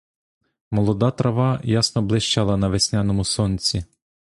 Молода трава ясно блищала на весняному сонці.